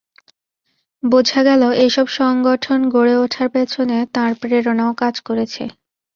বোঝা গেল এসব সংগঠন গড়ে ওঠার পেছনে তাঁর প্রেরণাও কাজ করেছে।